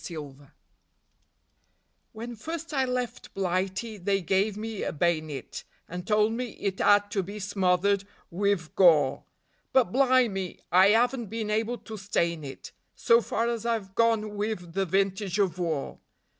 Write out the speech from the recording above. My Bay'nit When first I left Blighty they gave me a bay'nit And told me it 'ad to be smothered wiv gore; But blimey! I 'aven't been able to stain it, So far as I've gone wiv the vintage of war.